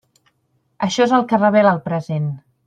Això és el que revela el present.